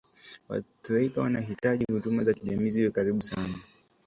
waathirika wanahitaji huduma za kijamii ziwe karibu sana